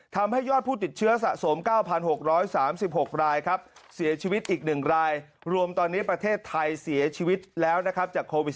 ทำให้ยอดผู้ติดเชื้อสะสม๙๖๓๖รายครับ